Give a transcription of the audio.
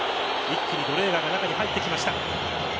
一気にドレーガーが中に入ってきました。